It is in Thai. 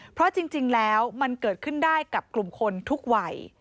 เพราะจริงแล้วมันเกิดขึ้นได้กับกลุ่มคนทุกวัย